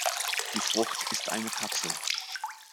Die Frucht ist eine Kapsel.